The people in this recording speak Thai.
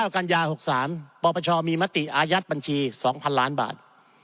กัญญา๖๓ปปชมีมติอายัดบัญชี๒๐๐๐ล้านบาท